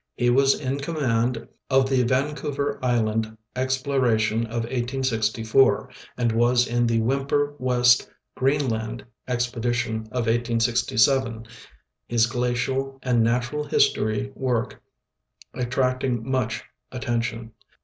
He was in command of the Vancouver island exj)loration of 1804 and was in the Whymper West Greenland expedition of 1867, his glacial and natural history work attracting much attention.